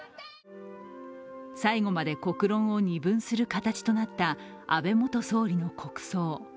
最後まで国論を二分する形となった安倍元総理の国葬。